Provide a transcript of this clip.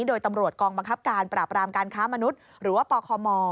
โดยตำรวจกองบังคับการปราบรามการค้ามนุษย์หรือว่าปคม